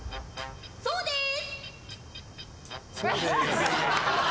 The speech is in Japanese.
そうです。